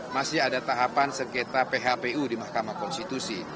masih ada tahapan sengketa phpu di mahkamah konstitusi